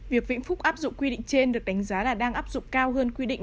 việc vĩnh phúc áp dụng quy định trên được đánh giá là đang áp dụng cao hơn quy định